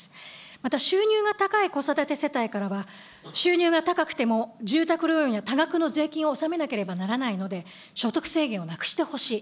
また、収入が高い子育て世帯からは、収入が高くても住宅ローンや、多額の税金を納めなければならないので、所得制限をなくしてほしい。